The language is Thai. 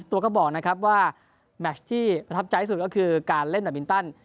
ตัวก็บอกนะครับว่าแมชที่ประทับใจที่สุดก็คือการเล่นแบบมินตัน